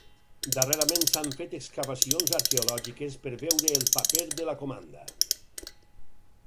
Darrerament s'han fet excavacions arqueològiques per veure el paper de la comanda.